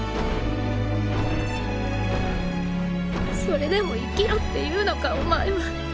それでも生きろって言うのかお前は。